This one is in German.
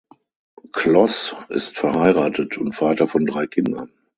Kloss ist verheiratet und Vater von drei Kindern.